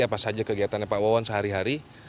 apa saja kegiatannya pak wawan sehari hari